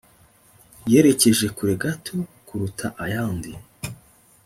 Yerekeje kure gato kuruta ayandi